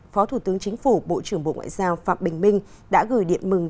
phó thủ tướng chính phủ bộ trưởng bộ ngoại giao phạm bình minh đã gửi điện mừng